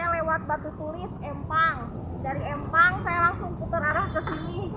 dari empang saya langsung putar arah ke sini